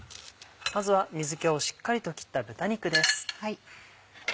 まずは水気をしっかりと切った豚肉です。